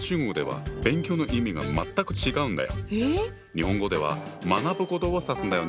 日本語では学ぶことをさすんだよね。